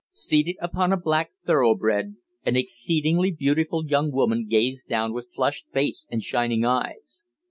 Seated upon a black thoroughbred, an exceedingly beautiful young woman gazed down with flushed face and shining eyes.